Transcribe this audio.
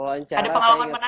ada pengalaman menarik ya bang